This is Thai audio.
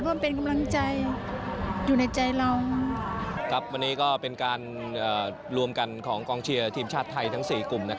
วันนี้ก็เป็นการรวมกันของกองเชียร์ทีมชาติไทยทั้ง๔กลุ่ม